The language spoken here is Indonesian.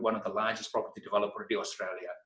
salah satu pembangunan kebanyakan perusahaan di australia